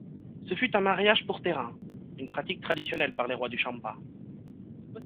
Ce fut un mariage-pour-terrain, une pratique traditionnelle par les rois du Champa.